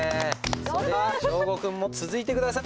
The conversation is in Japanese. それでは祥伍君も続いて下さい。